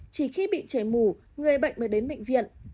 chỉ khi bị trẻ mù người bệnh mới đến bệnh viện